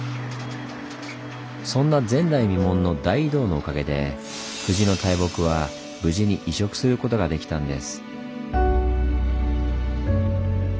そんな前代未聞の大移動のおかげで藤の大木は無事に移植することができたんです。